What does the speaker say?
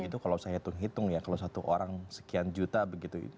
itu kalau saya hitung hitung ya kalau satu orang sekian juta begitu